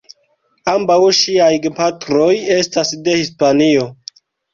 Ambaŭ ŝiaj gepatroj estas de Hispanio.